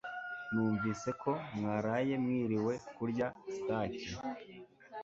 numvise ko mwaraye mwiriwe kurya stake